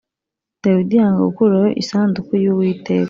Dawidi yanga gukurayo isanduku y’Uwiteka